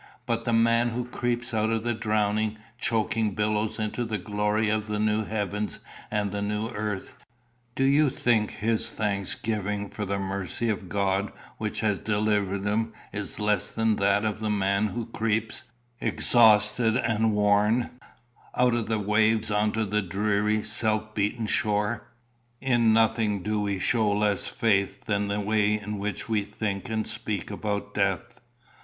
But the man who creeps out of the drowning, choking billows into the glory of the new heavens and the new earth do you think his thanksgiving for the mercy of God which has delivered him is less than that of the man who creeps, exhausted and worn, out of the waves on to the dreary, surf beaten shore? In nothing do we show less faith than the way in which we think and speak about death.